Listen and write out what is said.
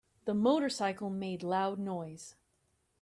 The motorcycle made loud noise.